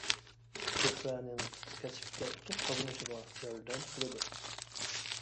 زۆھرەنىڭ كەسىپتە ئۇتۇق قازىنىشىغا ياردەم قىلىدۇ.